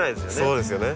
そうですよね。